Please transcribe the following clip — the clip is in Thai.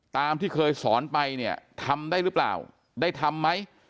ตามที่เคยสอนไปเนี่ยทำได้หรือเปล่าได้ทำไหม